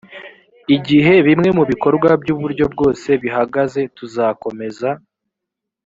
igihe bimwe mu bikorwa by uburyo bwose bihagaze tuzakomeza